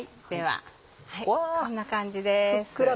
ではこんな感じです。